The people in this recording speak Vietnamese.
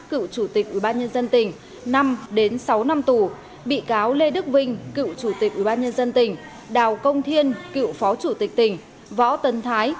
cựu chủ tịch ubnd tỉnh năm đến sáu năm tù bị cáo lê đức vinh cựu chủ tịch ubnd tỉnh đào công thiên cựu phó chủ tịch tỉnh võ tân thái